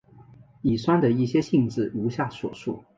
乙酸的一些性质如下所述。